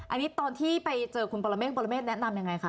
อันนี้ตอนที่ไปเจอคุณปรเมฆปรเมฆแนะนำยังไงคะ